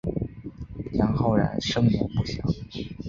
杨浩然生年不详。